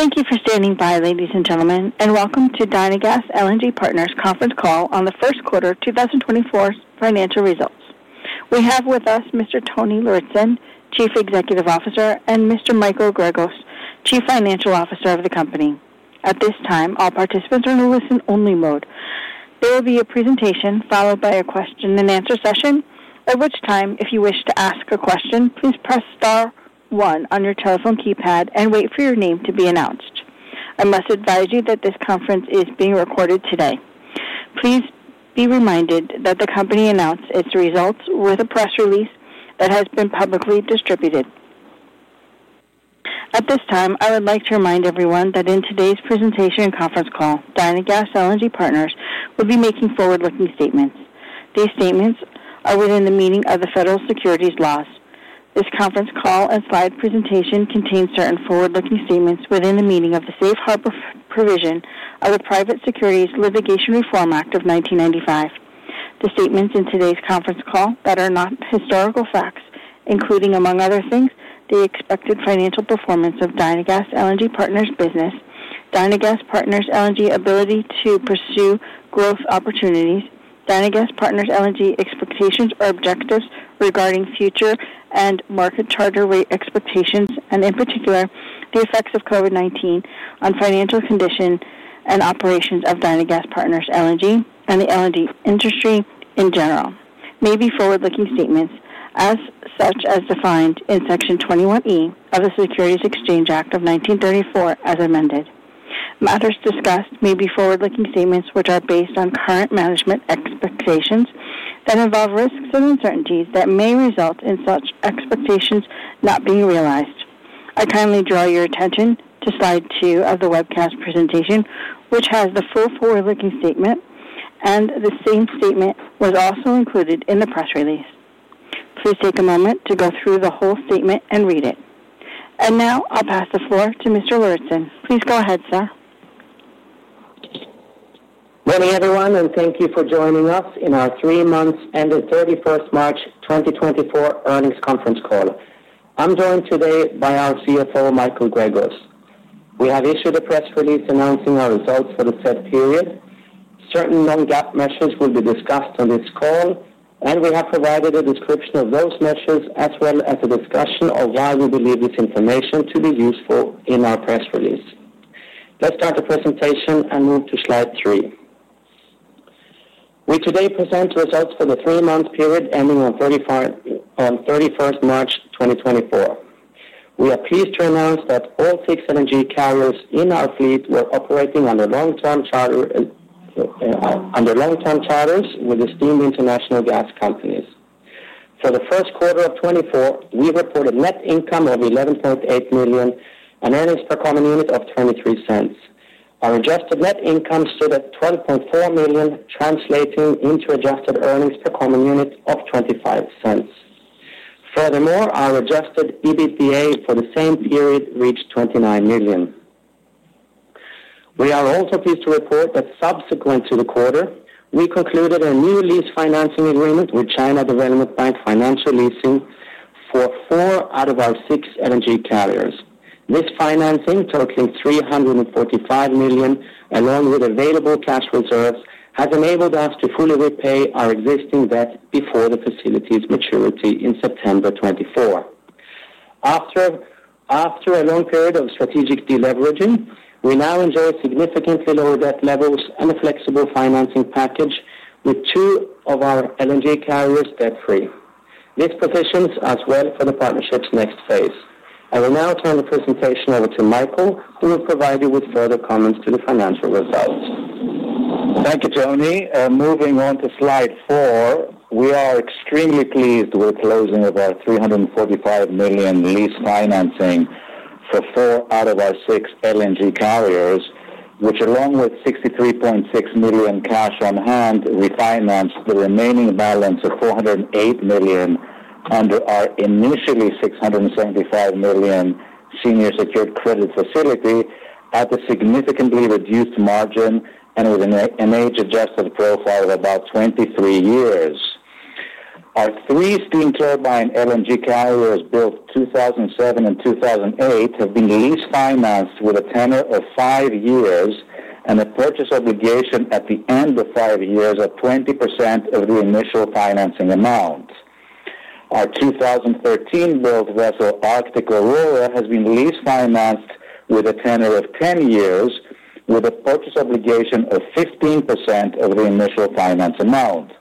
Thank you for standing by, ladies and gentlemen, and welcome to Dynagas LNG Partners conference call on the first quarter 2024 financial results. We have with us Mr. Tony Lauritzen, Chief Executive Officer, and Mr. Michael Gregos, Chief Financial Officer of the company. At this time, all participants are in a listen-only mode. There will be a presentation followed by a question-and-answer session, at which time, if you wish to ask a question, please press star one on your telephone keypad and wait for your name to be announced. I must advise you that this conference is being recorded today. Please be reminded that the company announced its results with a press release that has been publicly distributed. At this time, I would like to remind everyone that in today's presentation and conference call, Dynagas LNG Partners will be making forward-looking statements. These statements are within the meaning of the federal securities laws. This conference call and slide presentation contain certain forward-looking statements within the meaning of the Safe Harbor Provision of the Private Securities Litigation Reform Act of 1995. The statements in today's conference call that are not historical facts, including, among other things, the expected financial performance of Dynagas LNG Partners' business, Dynagas LNG Partners' ability to pursue growth opportunities, Dynagas LNG Partners' expectations or objectives regarding future and market charter rate expectations, and in particular, the effects of COVID-19 on financial condition and operations of Dynagas LNG Partners and the LNG industry in general, may be forward-looking statements as such as defined in Section 21E of the Securities Exchange Act of 1934 as amended. Matters discussed may be forward-looking statements which are based on current management expectations that involve risks and uncertainties that may result in such expectations not being realized. I kindly draw your attention to slide two of the webcast presentation, which has the full forward-looking statement, and the same statement was also included in the press release. Please take a moment to go through the whole statement and read it. Now I'll pass the floor to Mr. Lauritzen. Please go ahead, sir. Good morning, everyone, and thank you for joining us on our three months ended 31 March 2024 earnings conference call. I'm joined today by our CFO, Michael Gregos. We have issued a press release announcing our results for the said period. Certain non-GAAP measures will be discussed on this call, and we have provided a description of those measures as well as a discussion of why we believe this information to be useful in our press release. Let's start the presentation and move to slide three. We today present results for the three-month period ending on 31 March 2024. We are pleased to announce that all six LNG carriers in our fleet were operating under long-term charter, under long-term charters with esteemed international gas companies. For the first quarter of 2024, we reported net income of $11.8 million and earnings per common unit of $0.23. Our adjusted net income stood at $12.4 million, translating into adjusted earnings per common unit of $0.25. Furthermore, our adjusted EBITDA for the same period reached $29 million. We are also pleased to report that subsequent to the quarter, we concluded a new lease financing agreement with China Development Bank Financial Leasing for four out of our six LNG carriers. This financing, totaling $345 million, along with available cash reserves, has enabled us to fully repay our existing debt before the facility's maturity in September 2024. After a long period of strategic deleveraging, we now enjoy significantly lower debt levels and a flexible financing package with two of our LNG carriers debt-free. This positions us well for the partnership's next phase. I will now turn the presentation over to Michael, who will provide you with further comments to the financial results. Thank you, Tony. Moving on to slide four. We are extremely pleased with closing of our $345 million lease financing for four out of our six LNG carriers, which, along with $63.6 million cash on hand, refinanced the remaining balance of $408 million under our initially $675 million senior secured credit facility at a significantly reduced margin and with an age-adjusted profile of about 23 years. Our three steam turbine LNG carriers, built 2007 and 2008, have been lease financed with a tenor of five years and a purchase obligation at the end of five years of 20% of the initial financing amount. Our 2013-built vessel, Arctic Aurora, has been lease financed with a tenor of 10 years, with a purchase obligation of 15% of the initial finance amount.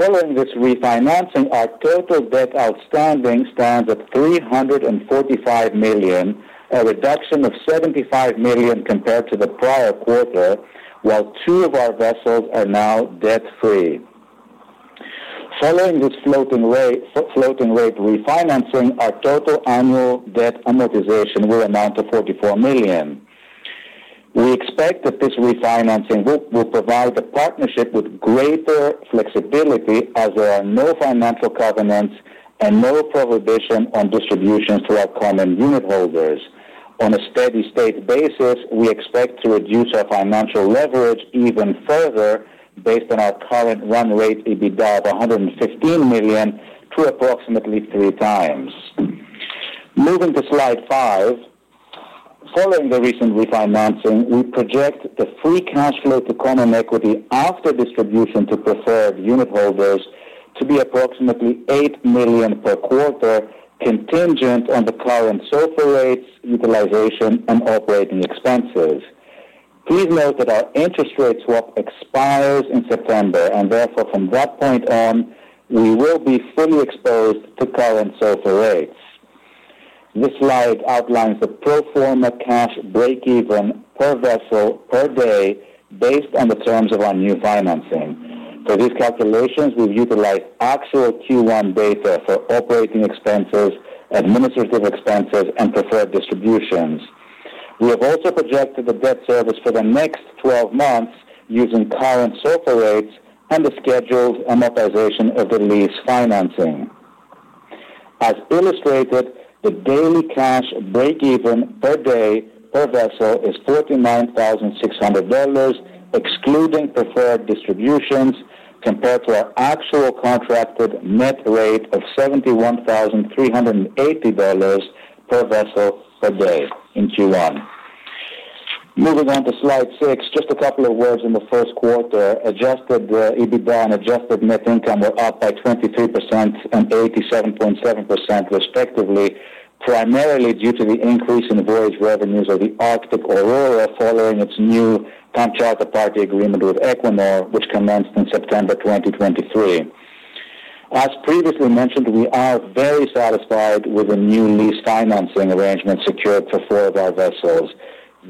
Following this refinancing, our total debt outstanding stands at $345 million, a reduction of $75 million compared to the prior quarter, while two of our vessels are now debt-free. Following this floating rate refinancing, our total annual debt amortization will amount to $44 million. We expect that this refinancing will provide the partnership with greater flexibility as there are no financial covenants and no prohibition on distributions to our common unitholders. On a steady-state basis, we expect to reduce our financial leverage even further based on our current run rate EBITDA of $115 million... to approximately 3x. Moving to slide five. Following the recent refinancing, we project the free cash flow to common equity after distribution to preferred unitholders to be approximately $8 million per quarter, contingent on the current SOFR rates, utilization, and operating expenses. Please note that our interest rate swap expires in September, and therefore, from that point on, we will be fully exposed to current SOFR rates. This slide outlines the pro forma cash breakeven per vessel per day based on the terms of our new financing. For these calculations, we've utilized actual Q1 data for operating expenses, administrative expenses, and preferred distributions. We have also projected the debt service for the next 12 months using current SOFR rates and the scheduled amortization of the lease financing. As illustrated, the daily cash breakeven per day per vessel is $39,600, excluding preferred distributions, compared to our actual contracted net rate of $71,380 per vessel per day in Q1. Moving on to slide six, just a couple of words in the first quarter. Adjusted EBITDA and adjusted net income were up by 23% and 87.7%, respectively, primarily due to the increase in the voyage revenues of the Arctic Aurora following its new time charter party agreement with Equinor, which commenced in September 2023. As previously mentioned, we are very satisfied with the new lease financing arrangement secured for four of our vessels.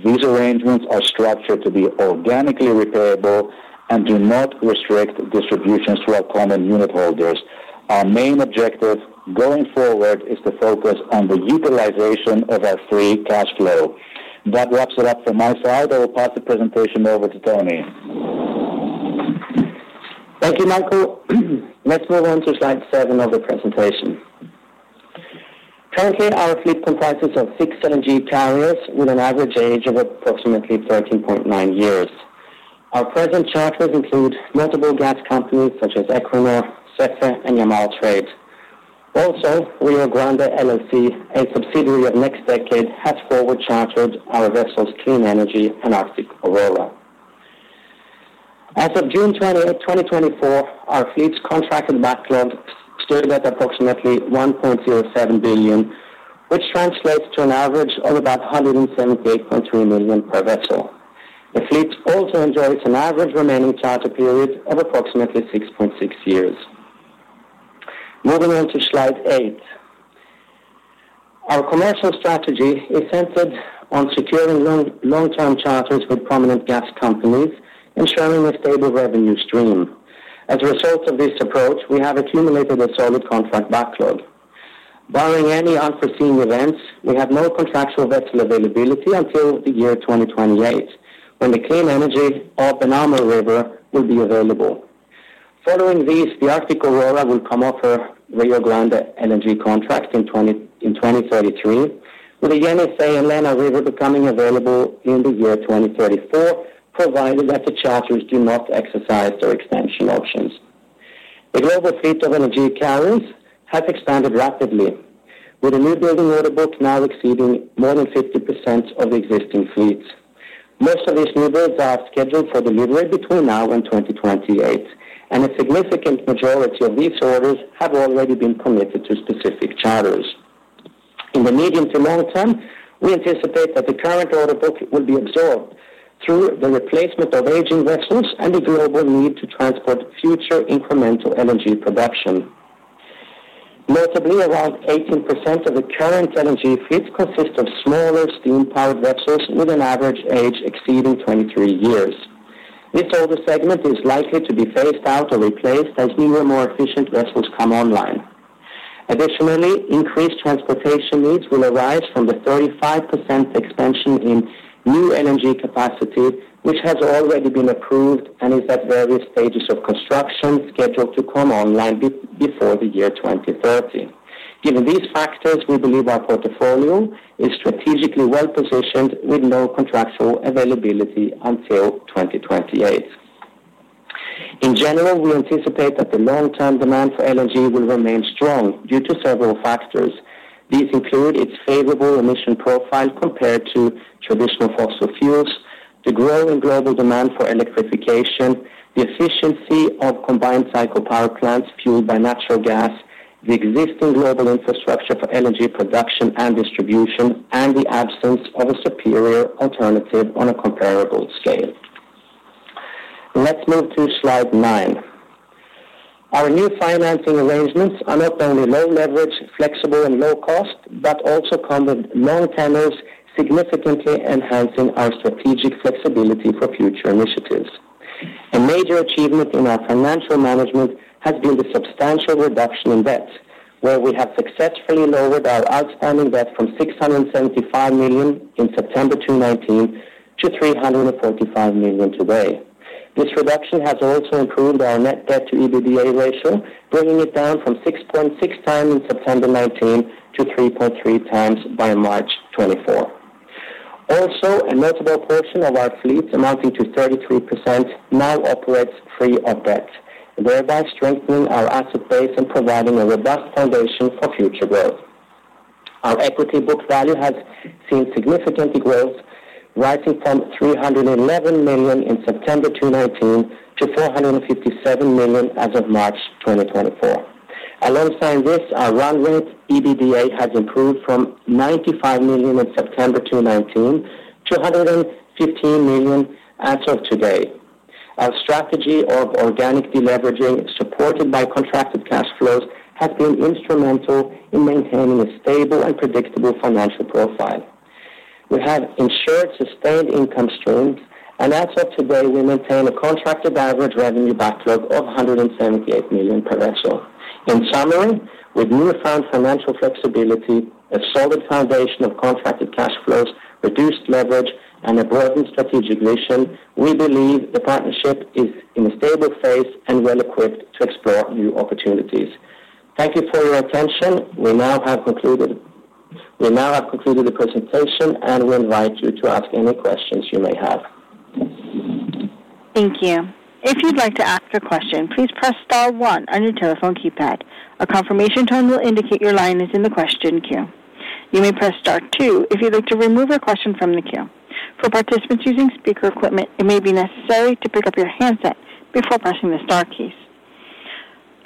These arrangements are structured to be organically repayable and do not restrict distributions to our common unitholders. Our main objective going forward is to focus on the utilization of our free cash flow. That wraps it up from my side. I will pass the presentation over to Tony. Thank you, Michael. Let's move on to slide seven of the presentation. Currently, our fleet comprises of six LNG carriers with an average age of approximately 13.9 years. Our present charters include multiple gas companies such as Equinor, SEFE, and Yamal Trade. Also, Rio Grande LNG LLC, a subsidiary of NextDecade, has forward chartered our vessels, Clean Energy and Arctic Aurora. As of June 20, 2024, our fleet's contracted backlog stood at approximately $1.07 billion, which translates to an average of about $178.3 million per vessel. The fleet also enjoys an average remaining charter period of approximately 6.6 years. Moving on to slide eight. Our commercial strategy is centered on securing long, long-term charters with prominent gas companies, ensuring a stable revenue stream. As a result of this approach, we have accumulated a solid contract backlog. Barring any unforeseen events, we have no contractual vessel availability until the year 2028, when the Clean Energy, Ob and Amur River will be available. Following this, the Arctic Aurora will come off our Rio Grande LNG contract in 2033, with the Yenisei and Lena River becoming available in the year 2034, provided that the charters do not exercise their extension options. The global fleet of LNG carriers has expanded rapidly, with the newbuilding order book now exceeding more than 50% of the existing fleet. Most of these newbuilds are scheduled for delivery between now and 2028, and a significant majority of these orders have already been committed to specific charters. In the medium to long term, we anticipate that the current order book will be absorbed through the replacement of aging vessels and the global need to transport future incremental LNG production. Notably, around 18% of the current LNG fleet consists of smaller steam-powered vessels with an average age exceeding 23 years. This older segment is likely to be phased out or replaced as newer, more efficient vessels come online. Additionally, increased transportation needs will arise from the 35% expansion in new LNG capacity, which has already been approved and is at various stages of construction, scheduled to come online before the year 2030. Given these factors, we believe our portfolio is strategically well-positioned with no contractual availability until 2028. In general, we anticipate that the long-term demand for LNG will remain strong due to several factors. These include its favorable emission profile compared to traditional fossil fuels, the growing global demand for electrification, the efficiency of combined cycle power plants fueled by natural gas, the existing global infrastructure for LNG production and distribution, and the absence of a superior alternative on a comparable scale. Let's move to slide nine. Our new financing arrangements are not only low leverage, flexible, and low cost, but also come with long tenures, significantly enhancing our strategic flexibility for future initiatives. A major achievement in our financial management has been the substantial reduction in debt, where we have successfully lowered our outstanding debt from $675 million in September 2019 to $345 million today. This reduction has also improved our net debt to EBITDA ratio, bringing it down from 6.6x in September 2019 to 3.3x by March 2024. Also, a notable portion of our fleet, amounting to 33%, now operates free of debt, thereby strengthening our asset base and providing a robust foundation for future growth. Our equity book value has seen significant growth, rising from $311 million in September 2019 to $457 million as of March 2024. Alongside this, our run rate, EBITDA, has improved from $95 million in September 2019 to $115 million as of today. Our strategy of organic deleveraging, supported by contracted cash flows, has been instrumental in maintaining a stable and predictable financial profile. We have ensured sustained income streams, and as of today, we maintain a contracted average revenue backlog of $178 million per annum. In summary, with newfound financial flexibility, a solid foundation of contracted cash flows, reduced leverage, and a broadened strategic mission, we believe the partnership is in a stable phase and well-equipped to explore new opportunities. Thank you for your attention. We now have concluded the presentation, and we invite you to ask any questions you may have. Thank you. If you'd like to ask a question, please press star one on your telephone keypad. A confirmation tone will indicate your line is in the question queue. You may press star two if you'd like to remove your question from the queue. For participants using speaker equipment, it may be necessary to pick up your handset before pressing the star key.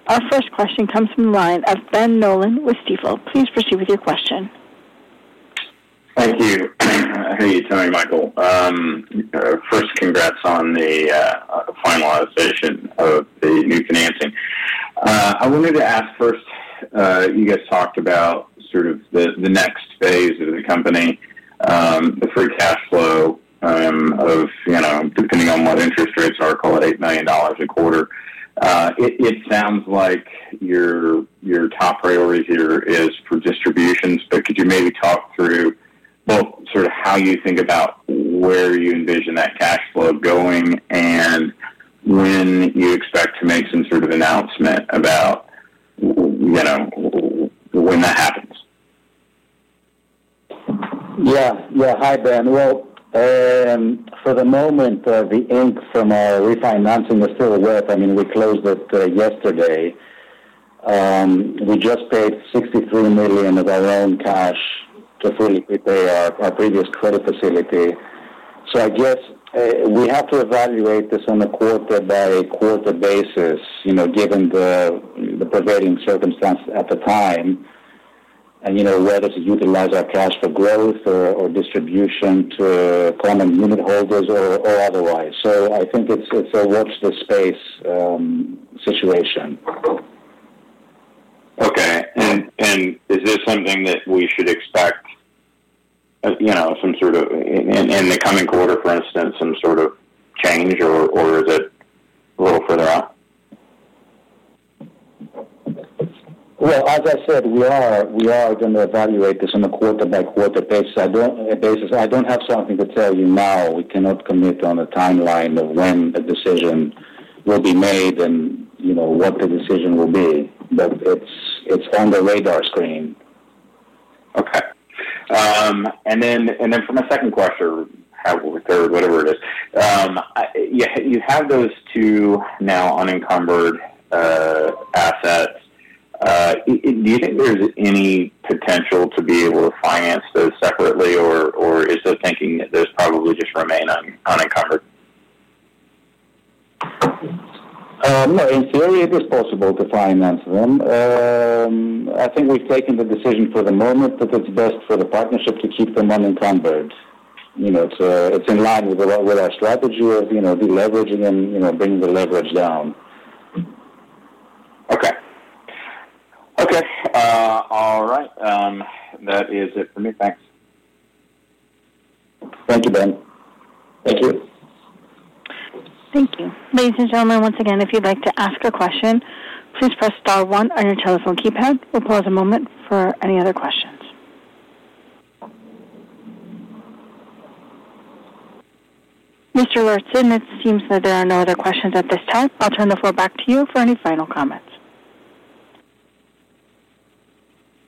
Our first question comes from the line of Ben Nolan with Stifel. Please proceed with your question. Thank you. How are you doing, Michael? First, congrats on the finalization of the new financing. I wanted to ask first, you guys talked about sort of the next phase of the company, the free cash flow, of, you know, depending on what interest rates are, call it $8 million a quarter. It sounds like your top priority here is for distributions, but could you maybe talk through both sort of how you think about where you envision that cash flow going and when you expect to make some sort of announcement about, you know, when that happens? Yeah. Yeah. Hi, Ben. Well, for the moment, the ink from our refinancing is still wet. I mean, we closed it yesterday, and we just paid $63 million of our own cash to fully prepay our previous credit facility. So I guess we have to evaluate this on a quarter by quarter basis, you know, given the prevailing circumstances at the time, and, you know, whether to utilize our cash for growth or distribution to common unit holders or otherwise. So I think it's a watch the space situation. Okay. And is this something that we should expect, you know, some sort of, in the coming quarter, for instance, some sort of change, or is it a little further out? Well, as I said, we are going to evaluate this on a quarter-by-quarter basis. I don't have something to tell you now. We cannot commit on a timeline of when a decision will be made and, you know, what the decision will be, but it's on the radar screen. Okay. And then for my second question, or however, third, whatever it is. You have those two now unencumbered assets. Do you think there's any potential to be able to finance those separately, or is the thinking that those probably just remain unencumbered? No, in theory, it is possible to finance them. I think we've taken the decision for the moment that it's best for the partnership to keep them unencumbered. You know, it's in line with our strategy of, you know, deleveraging and, you know, bringing the leverage down. Okay. Okay. All right, that is it for me. Thanks. Thank you, Ben. Thank you. Thank you. Ladies and gentlemen, once again, if you'd like to ask a question, please press star one on your telephone keypad. We'll pause a moment for any other questions. Mr. Lauritzen, it seems that there are no other questions at this time. I'll turn the floor back to you for any final comments.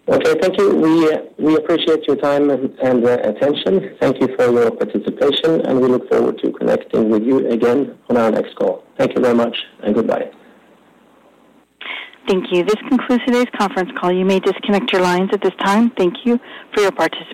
Okay. Thank you. We appreciate your time and attention. Thank you for your participation, and we look forward to connecting with you again on our next call. Thank you very much, and goodbye. Thank you. This concludes today's conference call. You may disconnect your lines at this time. Thank you for your participation.